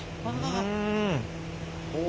うん。